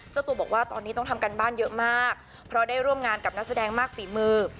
เจ้าตัวบอกว่าตอนนี้ต้องทำการบ้านเยอะมากเพราะได้ร่วมงานกับนักแสดงมากฝีมือ